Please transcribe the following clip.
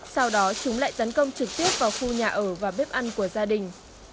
sau đó chúng lại tấn công trực tiếp vào khu nhà ở và bếp ăn của gia đình